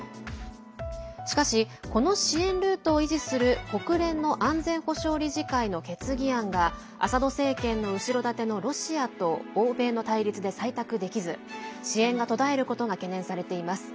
しかし、この支援ルートを維持する国連の安全保障理事会の決議案がアサド政権の後ろ盾のロシアと欧米の対立で採択できず支援が途絶えることが懸念されています。